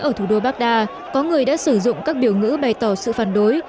ở thủ đô baghdad có người đã sử dụng các biểu ngữ bày tỏ sự phản đối